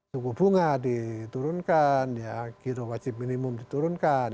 sungguh bunga diturunkan giro wajib minimum diturunkan